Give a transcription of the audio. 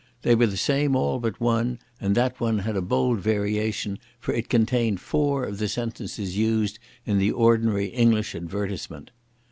They were the same all but one, and that one had a bold variation, for it contained four of the sentences used in the ordinary English advertisement.